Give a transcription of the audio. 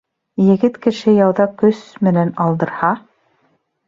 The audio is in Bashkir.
Егет кеше яуҙа көс менән алдырһа.